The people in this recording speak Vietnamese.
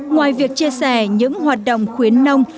ngoài việc chia sẻ những hoạt động khuyến nông